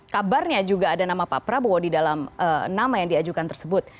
kabarnya juga ada nama pak prabowo di dalam nama yang diajukan tersebut